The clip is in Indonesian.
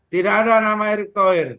tidak ada nama erick thohir